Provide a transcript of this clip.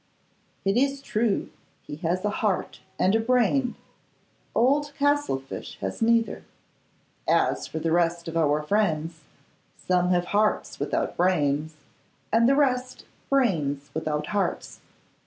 'It is true, he has a heart and a brain. Old Castlefyshe has neither. As for the rest of our friends, some have hearts without brains, and the rest brains without hearts.